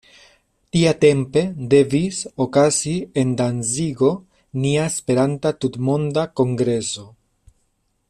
Tiatempe devis okazi en Danzigo nia esperanta tutmonda Kongreso.